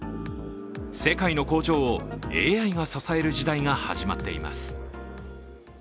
世界の工場をＡＩが支える時代が始まっています。